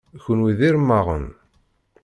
Kenwi d iremmaɣen.